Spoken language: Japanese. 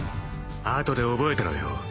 後で覚えてろよ。